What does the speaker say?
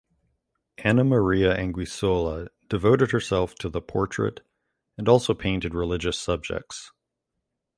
Anna Maria Anguissola devoted herself to the portrait and also painted religious subjects.